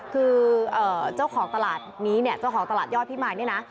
คือเจ้าของตลาดนี้เนี่ยเจ้าของตลาดยอดพิมายเนี่ยนะ